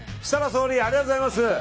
総理、ありがとうございます。